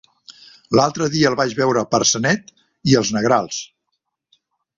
L'altre dia el vaig veure per Sanet i els Negrals.